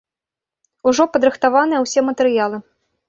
Ужо падрыхтаваныя ўсе матэрыялы.